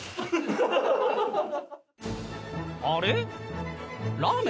あれ？